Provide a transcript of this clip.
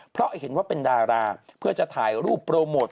เพราะเห็นว่าเป็นดาราเพื่อจะถ่ายรูปโปรโมท